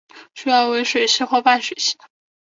主要为水栖或半水栖。